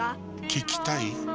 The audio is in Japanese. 聞きたい？